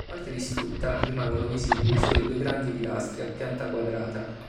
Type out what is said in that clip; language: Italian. In parte distrutta, rimangono visibili solo i due grandi pilastri a pianta quadrata.